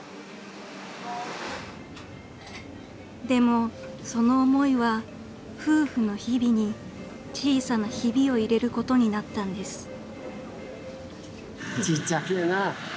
［でもその思いは夫婦の日々に小さなヒビを入れることになったんです］